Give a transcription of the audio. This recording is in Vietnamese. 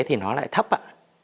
thì nó lại thấp ạ